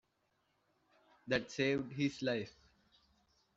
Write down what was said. That saved his life.